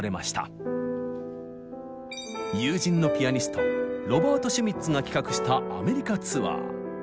友人のピアニストロバート・シュミッツが企画したアメリカツアー。